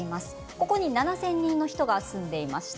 ここに７０００人の人が住んでいます。